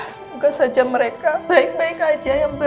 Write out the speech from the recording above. semoga saja mereka baik baik saja ya mbak